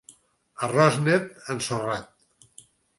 Arròs net ensorrat...